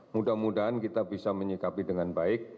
mudah mudahan kita bisa menyikapi dengan baik